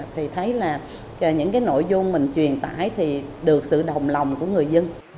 thì thấy là những cái nội dung mình truyền tải thì được sự đồng lòng của người dân